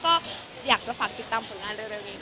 ก็อยากจะฝากติดตามผลงานเร็วนี้